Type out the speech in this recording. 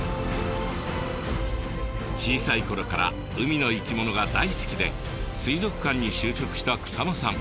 小さいころから海の生き物が大好きで水族館に就職した草間さん。